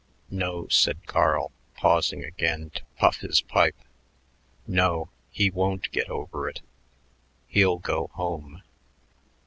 "No," said Carl, pausing again to puff his pipe; "no, he won't get over it. He'll go home."